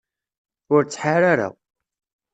Ur ttḥar ara